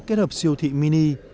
kết hợp siêu thị mini